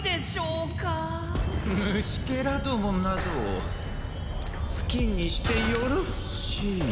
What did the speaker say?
虫けらどもなど好きにしてよろしい！